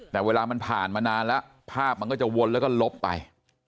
แต่เวลามันผ่านมานานแล้วภาพมันก็จะวนแล้วก็ลบไป